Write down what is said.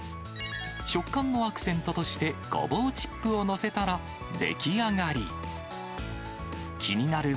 食感のアクセントとしてゴボウチップを載せたら出来上がり。